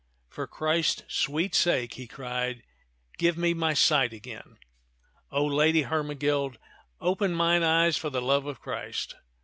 For Christ's sweet sake," he cried, "give me my sight again ! O Lady Hermegild, openmine eyesfor the loveof Christ!"